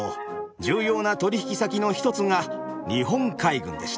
重要な取引先の一つが日本海軍でした。